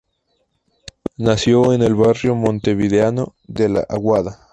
Nació en el barrio montevideano de la Aguada.